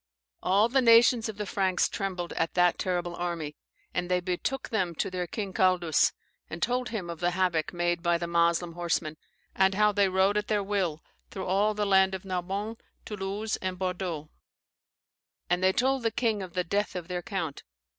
All the nations of the Franks trembled at that terrible army, and they betook them to their king Caldus, and told him of the havoc made by the Moslem horsemen, and how they rode at their will through all the land of Narbonne Toulouse, and Bordeaux, and they told the king of the death of their count.